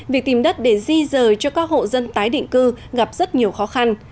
việc tìm đất để di rời cho các hộ dân tái định cư gặp rất nhiều khó khăn